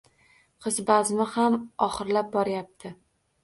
Qiz bazmi ham oxirlab borayapti